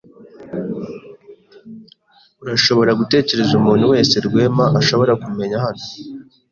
Urashobora gutekereza umuntu wese Rwema ashobora kumenya hano?